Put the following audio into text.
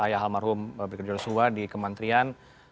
ayah hal marhum bikin dula suwa di kementerian